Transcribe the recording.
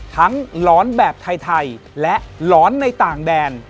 หลอนแบบไทยและหลอนในต่างแดน